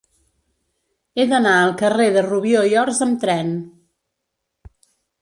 He d'anar al carrer de Rubió i Ors amb tren.